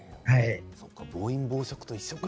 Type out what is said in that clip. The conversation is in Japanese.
暴飲暴食と同じか。